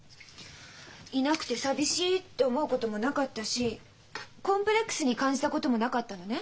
いなくて寂しいって思うこともなかったしコンプレックスに感じたこともなかったのね。